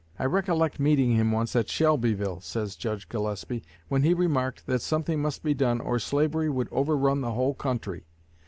"I recollect meeting him once at Shelbyville," says Judge Gillespie, "when he remarked that something must be done or slavery would overrun the whole country.